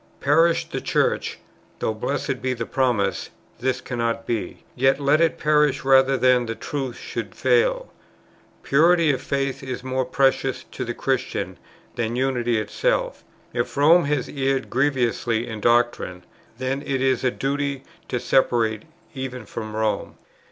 Perish the Church, (though, blessed be the promise! this cannot be,) yet let it perish rather than the Truth should fail. Purity of faith is more precious to the Christian than unity itself. If Rome has erred grievously in doctrine, then it is a duty to separate even from Rome."